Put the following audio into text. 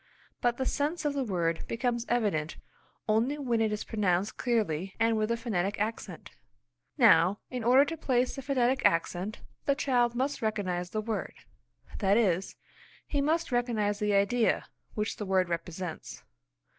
But the sense of the word becomes evident only when it is pronounced clearly and with the phonetic accent. Now, in order to place the phonetic accent the child must recognise the word; that is, he must recognise the idea which the word represents.